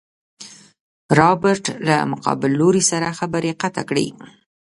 رابرټ له مقابل لوري سره خبرې قطع کړې.